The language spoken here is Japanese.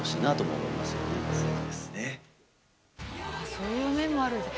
そういう面もあるんですね。